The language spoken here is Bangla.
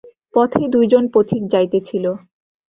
পথে দুইজন পথিক যাইতেছিল।